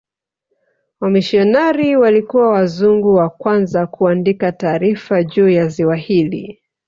wamishionari walikuwa wazungu wa kwanza kuandika taarifa juu ya ziwa hili